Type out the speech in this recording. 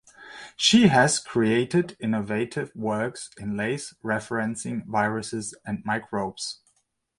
She has created innovative works in lace referencing viruses and microbes.